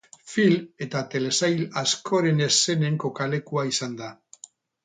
Film eta telesail askoren eszenen kokalekua izan da.